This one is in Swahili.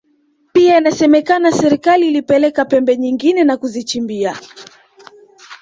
Pia inasemekana serikali ilipeleka pembe nyingine na kuzichimbia